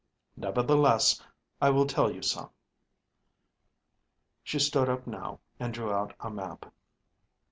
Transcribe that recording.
Nevertheless, I will tell you some." She stood up now, and drew out a map.